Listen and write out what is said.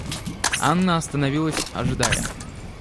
Анна остановилась ожидая.